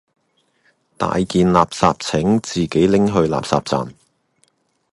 大件垃圾請自己拎去垃圾站